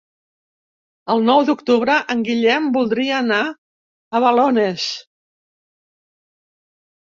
El nou d'octubre en Guillem voldria anar a Balones.